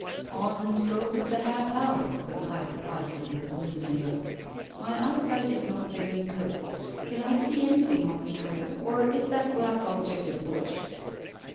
"On the stroke of the half hour," replied the parson, with a gloomy look. "My eyesight is not very good; can I see anything on the trail, or is that black object a bush?"